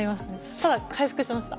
ただ、回復しました。